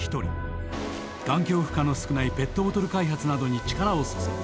環境負荷の少ないペットボトル開発などに力を注ぐ。